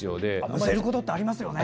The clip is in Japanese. むせることってありますよね？